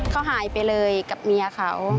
เขาหายไปเลยกับเมียเขา